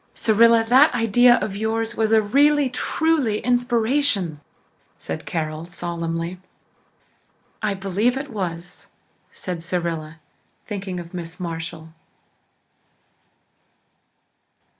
"Cyrilla, that idea of yours was a really truly inspiration," said Carol solemnly. "I believe it was," said Cyrilla, thinking of Miss Marshall.